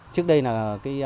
trước đây là cái